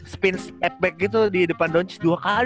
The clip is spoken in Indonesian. spin back itu di depan donch dua kali